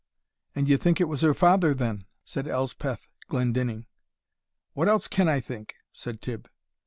"And ye think it was her father, then?" said Elspeth Glendinning. "What else can I think?" said Tibb.